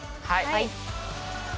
はい！